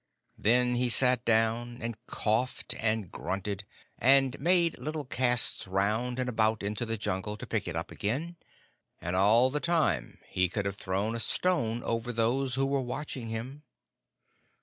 Then he sat down, and coughed and grunted, and made little casts round and about into the Jungle to pick it up again, and all the time he could have thrown a stone over those who were watching him.